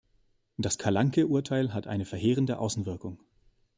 Das Kalanke-Urteil hatte eine verheerende Außenwirkung.